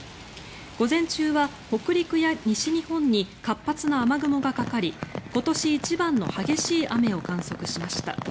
午前中は北陸や西日本に活発な雨雲がかかり今年一番の激しい雨を観測しました。